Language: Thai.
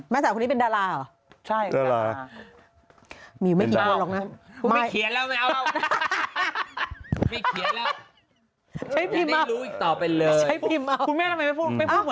แม่งสาวคุณนี่เป็นดาราเหรอใช่